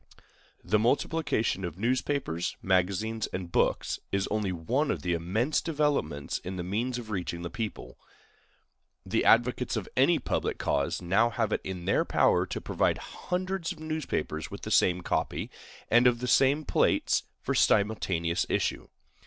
The multiplication of newspapers, magazines, and books is only one of the immense developments in the means of reaching the people. The advocates of any public cause now have it in their power to provide hundreds of newspapers with the same copy, or the same plates, for simultaneous issue.